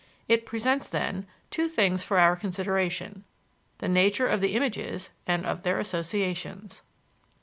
It presents, then, two things for our consideration the nature of the images and of their associations.